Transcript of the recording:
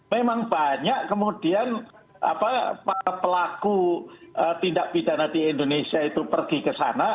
memang banyak kemudian para pelaku tindak pidana di indonesia itu pergi ke sana